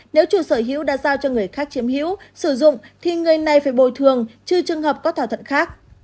nếu chủ sở hữu đã giao cho người khác chiếm hữu sử dụng thì người này phải bồi thương chứ trường hợp có thảo thuận khác